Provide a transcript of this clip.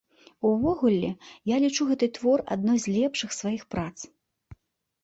Увогуле, я лічу гэты твор адной з лепшых сваіх прац.